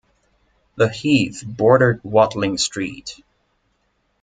The heath bordered Watling Street.